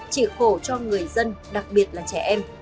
chỉ khổ cho người dân đặc biệt là trẻ em